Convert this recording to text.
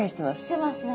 してますね。